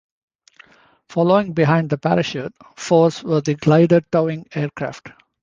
Following behind the parachute force were the glider towing aircraft.